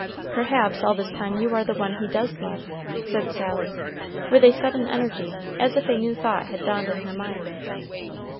Perhaps all this time you are the one he does love," said Sally, with a sudden energy, as if a new thought had dawned in her mind.